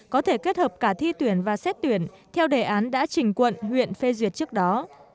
có thể kết hợp cả thi tuyển và xét tuyển theo đề án đã trình quận huyện phê duyệt trước đó